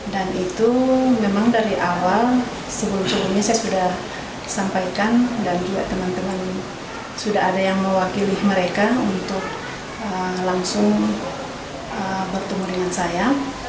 dan itu memang dari awal sebelum sebelumnya saya sudah sampaikan dan juga teman teman sudah ada yang mewakili mereka untuk langsung bertemu dengan saya